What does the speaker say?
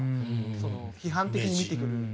その批判的に見てくる。